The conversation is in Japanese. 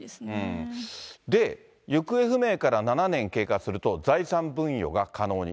で、行方不明から７年経過すると、財産分与が可能に。